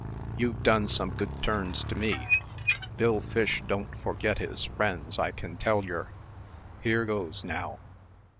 "You've done some good turns to me. Bill Fish don't forget his friends, I can tell yer. Here goes, now."